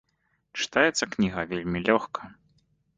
Чытаецца кніга вельмі лёгка.